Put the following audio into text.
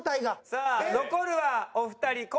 さあ残るはお二人昴